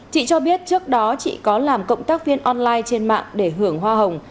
chị cho biết trước đó chị có làm cộng tác viên online trên mạng để hưởng hoa hồng